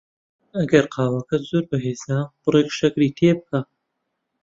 ئەگەر قاوەکەت زۆر بەهێزە، بڕێک شەکری تێ بکە.